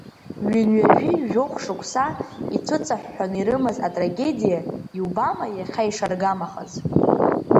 Ҩынҩажәи жәохә шықәса ицәыҵаҳәҳәаны ирымаз атрагедиа, иубама, иахьа ишаргамахаз!